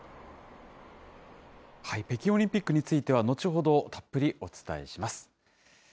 北京オリンピックについては、後ほどたっぷりお伝えします。